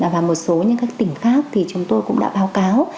và một số những các tỉnh khác thì chúng tôi cũng đã báo cáo